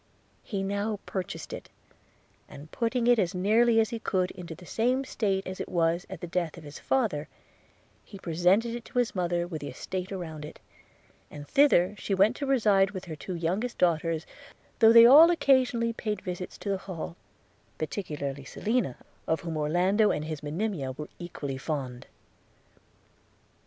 He now purchased it; and putting it as nearly as he could into the same state as it was at the death of his father, he presented it to his mother with the estate around it; and thither she went to reside with her two youngest daughters, though they all occasionally paid visits to the Hall, particularly Selina, of whom Orlando and his Monimia were equally fond.